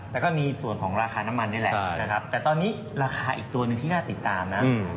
แต่ก็มีส่วนของราคาน้ำมันนี่แหละนะครับแต่ตอนนี้ราคาอีกตัวหนึ่งที่น่าติดตามนะ